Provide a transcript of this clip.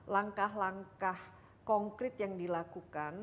langkah langkah konkret yang dilakukan